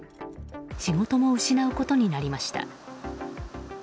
仕事も失うことになりました。